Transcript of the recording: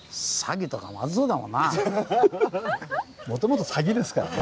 もともと「サギ」ですからね。